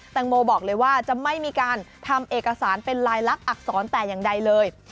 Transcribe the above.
แตงโมบอกเลยว่าจะไม่มีการทำเอกสารเป็นลายลักษณอักษรแต่อย่างใดเลย